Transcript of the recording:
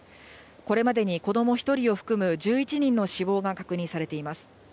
これまでに子ども１人を含む１１人の死亡が確認されています。